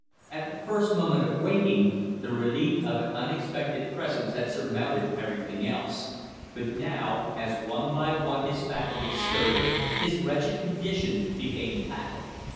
At the first moment of waking, the relief of an unexpected presence had surmounted everything else; but now, as one by one his faculties stirred, his wretched condition became patent.